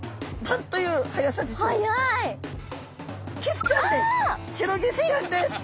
シロギスちゃんです。